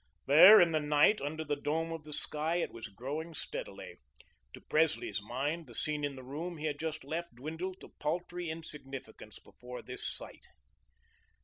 There in the night, under the dome of the sky, it was growing steadily. To Presley's mind, the scene in the room he had just left dwindled to paltry insignificance before this sight.